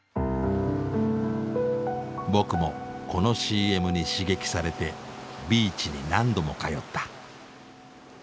僕もこのＣＭに刺激されてビーチに何度も通った。